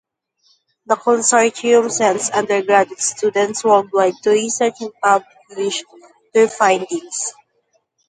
The Consortium sends undergraduate students worldwide to research and publish their findings.